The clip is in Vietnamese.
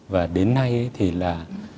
và đến nay thì là